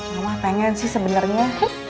mama pengen sih sebenernya